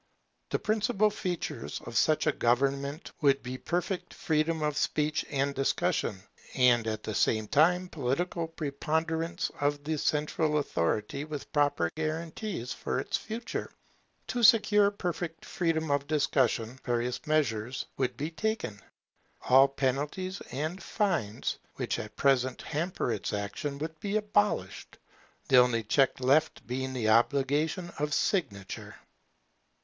The principal features of such a government would be perfect freedom of speech and discussion, and at the same time political preponderance of the central authority with proper guarantees for its purity. To secure perfect freedom of discussion, various measures would be taken. All penalties and fines which at present hamper its action would be abolished, the only check left being the obligation of signature.